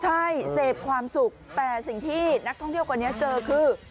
ใช่เสพความสุขแต่สิ่งที่นักท่องเที่ยวคนนี้เจอคือ